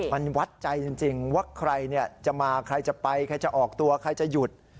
มันวัดใจจริงว่าใครจะมาใครจะไปใครจะออกตัวใครจะหยุด